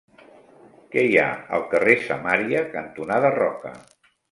Què hi ha al carrer Samaria cantonada Roca?